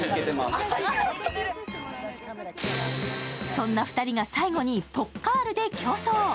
そんな２人が最後にポッカールで競争。